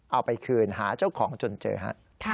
เอาไปคืนหาเจ้าของจนเจอฮะ